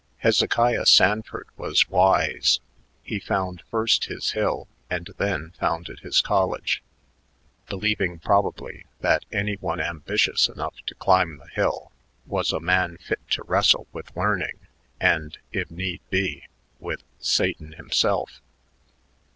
Hezekiah Sanford was wise; he found first his hill and then founded his college, believing probably that any one ambitious enough to climb the hill was a man fit to wrestle with learning and, if need be, with Satan himself.